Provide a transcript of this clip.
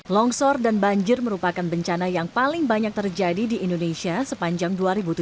longsor dan banjir merupakan bencana yang paling banyak terjadi di indonesia sepanjang dua ribu tujuh belas